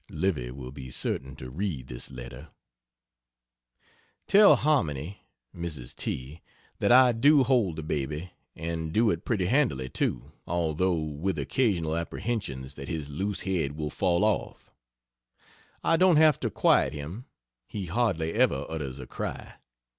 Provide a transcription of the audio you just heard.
(Livy will be certain to read this letter.) Tell Harmony (Mrs. T.) that I do hold the baby, and do it pretty handily, too, although with occasional apprehensions that his loose head will fall off. I don't have to quiet him he hardly ever utters a cry.